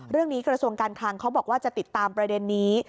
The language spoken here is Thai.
กระทรวงการคลังเขาบอกว่าจะติดตามประเด็นนี้